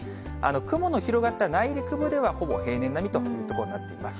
雲の広がった内陸部では、ほぼ平年並みということになっています。